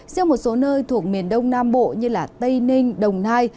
riêng một số nơi thuộc miền đông nam bộ như tây ninh đồng nai